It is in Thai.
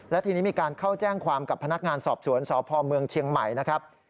และทีนี้มีการเข้าแจ้งความกับพนักงานสอบสวนสพเมืองเชียงใหม่นะครับ